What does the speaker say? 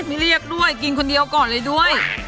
ไม่เรียกด้วยกินคนเดียวก่อนเลยด้วย